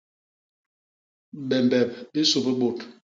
Bembep bisu bi bôt.